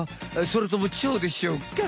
それともチョウでしょうか？